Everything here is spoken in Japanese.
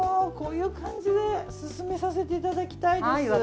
こういう感じで進めさせていただきたいです。